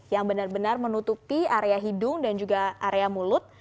yang benar benar menutupi area hidung dan juga area mulut